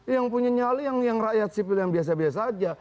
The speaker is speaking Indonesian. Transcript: yang punya nyali yang rakyat sipil yang biasa biasa saja